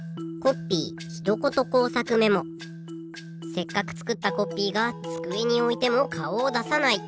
せっかくつくったコッピーがつくえにおいてもかおをださない。